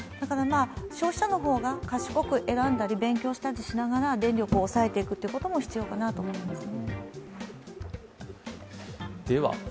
だから、消費者の方が賢く選んだり勉強したりしながら電力を抑えていくことも必要かなと思いますね。